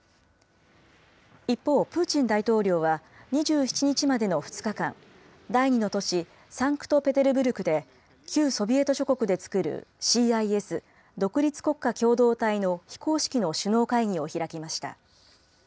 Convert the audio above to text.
一方、プーチン大統領は２７日までの２日間、第２の都市サンクトペテルブルクで、旧ソビエト諸国で作るＣＩＳ・独立国家共同体の非公式の首脳会議を開きました。